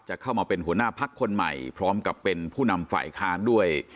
เข้ามาเป็นหัวหน้าพักคนใหม่พร้อมกับเป็นผู้นำฝ่ายค้านด้วย